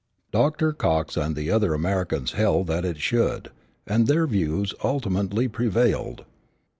Dr. Cox and the other Americans held that it should, and their views ultimately prevailed.